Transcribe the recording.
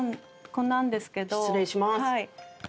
失礼します。